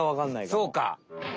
そうか。